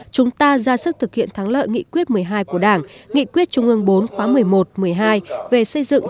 chúng ta ra sức thực hiện thắng lợi nghị quyết một mươi hai của đảng nghị quyết trung ương bốn khóa một mươi một một mươi hai về xây dựng